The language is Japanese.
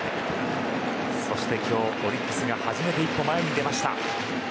そして今日、オリックスが初めて一歩前へ出ました。